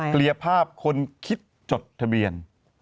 เคลียร์ภาพคนคิดจดทะเบียน